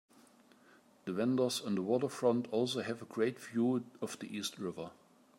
The vendors on the waterfront also have a great view of the East River.